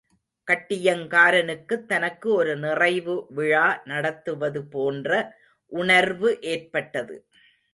கட்டியங்காரனுக்குத் தனக்கு ஒரு நிறைவு விழா நடத்துவது போன்ற உணர்வு ஏற்பட்டது.